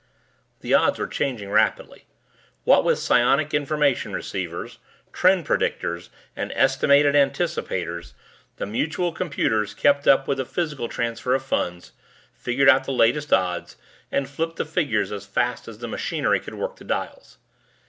The odds were changing rapidly. What with psionic information receivers, trend predictors and estimated anticipators, the mutuel computers kept up with the physical transfer of funds, figured out the latest odds, and flipped the figures as fast as the machinery could work the dials.